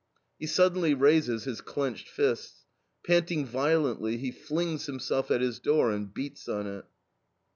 He suddenly raises his clenched fists. Panting violently, he flings himself at his door, and beats on it."